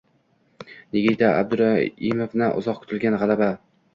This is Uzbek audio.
Nigina Abduraimovadan uzoq kutilgan g‘alabang